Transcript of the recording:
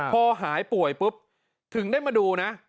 พอหายป่วยปุ๊บถึงได้มาดูนะ